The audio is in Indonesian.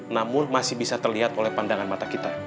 namun masih bisa terlihat oleh pandangan mata kita